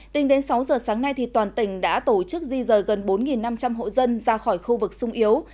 tính đến sáu giờ sáng nay toàn tỉnh đã tổ chức di rời gần bốn năm trăm linh hộ dân ra khỏi khu vực sung yếu